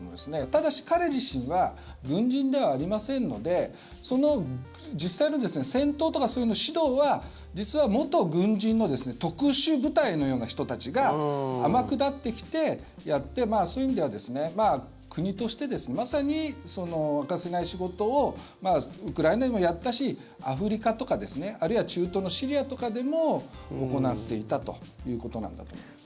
ただし、彼自身は軍人ではありませんので実際の戦闘とかの指導は実は元軍人の特殊部隊のような人たちが天下ってきて、やってそういう意味では国としてまさに明かせない仕事をウクライナにもやったしアフリカとかあるいは中東のシリアとかでも行っていたということなんだと思います。